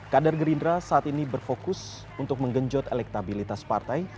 kader gerindra saat ini berfokus untuk menggenjot elektabilitas partai